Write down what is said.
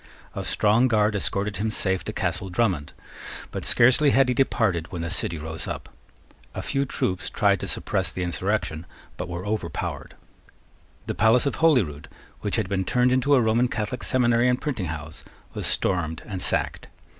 A strong guard escorted him safe to Castle Drummond: but scarcely had he departed when the city rose up. A few troops tried to suppress the insurrection, but were overpowered. The palace of Holyrood, which had been turned into a Roman Catholic seminary and printing house, was stormed and sacked.